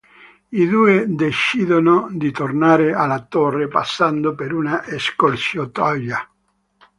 I due decidono di tornare alla Torre, passando per una scorciatoia.